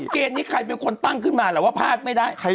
เกณฑ์นี้ใครเป็นคนตั้งขึ้นมาหรือว่าพลาดไม่ได้